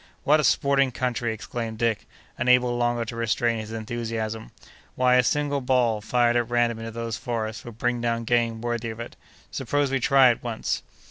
"What a sporting country!" exclaimed Dick, unable longer to restrain his enthusiasm; "why, a single ball fired at random into those forests would bring down game worthy of it. Suppose we try it once!"